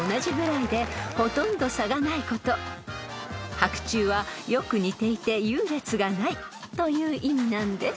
［「伯仲」はよく似ていて優劣がないという意味なんです］